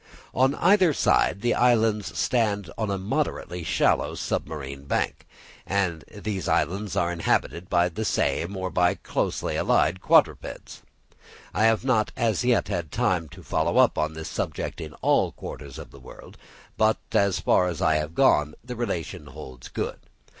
On either side, the islands stand on a moderately shallow submarine bank, and these islands are inhabited by the same or by closely allied quadrupeds. I have not as yet had time to follow up this subject in all quarters of the world; but as far as I have gone, the relation holds good.